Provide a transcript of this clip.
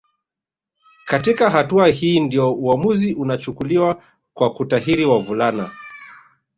katika hatua hii ndio uamuzi unachukuliwa wa kutahiri wavulana